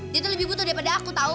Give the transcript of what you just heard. dia tuh lebih butuh daripada aku tahu